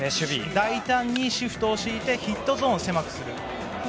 大胆にシフトを敷いてヒットゾーンを狭くする。